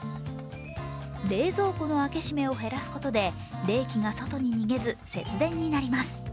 冷蔵庫の開け閉めを減らすことで冷気が外に逃げず、節電になります。